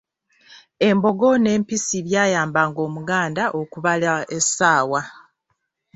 Embogo n'empisi byayambanga Omuganda okubala essaawa.